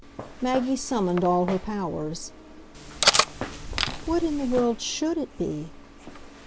Maggie summoned all her powers. "What in the world SHOULD it be?"